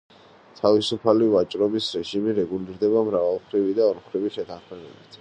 თავისუფალი ვაჭრობის რეჟიმი რეგულირდება მრავალმხრივი და ორმხრივი შეთანხმებებით.